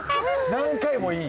何回もいい！